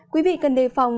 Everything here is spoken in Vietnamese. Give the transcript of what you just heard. quý vị cần đề phòng